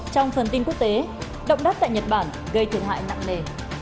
trong phần tin quốc tế động đất tại nhật bản gây thương hoại nặng nề